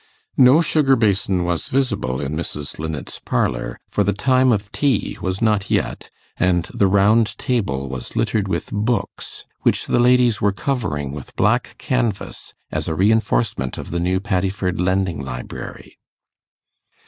No sugar basin was visible in Mrs. Linnet's parlour, for the time of tea was not yet, and the round table was littered with books which the ladies were covering with black canvass as a reinforcement of the new Paddiford Lending Library.